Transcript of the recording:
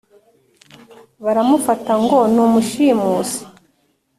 baramufata ngo ni umushimusi,